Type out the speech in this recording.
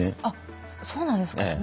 あっそうなんですか。